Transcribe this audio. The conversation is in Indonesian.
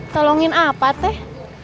tolongin apa teh